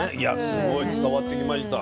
すごい伝わってきました。